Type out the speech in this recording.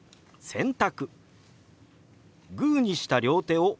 「洗濯」。